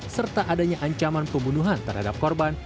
serta adanya ancaman pembunuhan terhadap korban